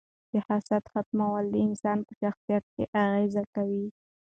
د حسد ختمول د انسان په شخصیت اغیزه کوي.